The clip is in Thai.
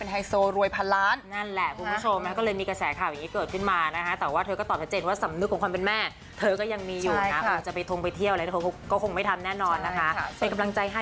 เป็นกำลังใจให้จริง